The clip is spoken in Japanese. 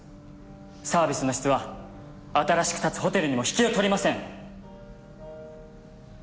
サービスの質は新しく建つホテルにも引けを取りません。